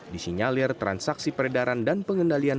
di sinyalir transaksi peredaran dan pengendalian